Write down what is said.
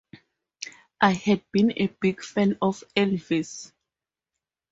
I had been a big fan of Elvis.